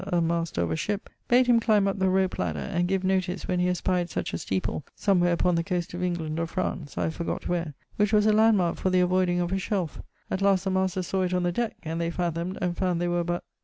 ] (a master of a shippe) bade him climbe up the rope ladder, and give notice when he espied such a steeple (somewhere upon the coast of England or France, I have forgot where), which was a land marke for the avoyding of a shelfe; at last the master sawe it on the deck, and they fathom'd and found they were but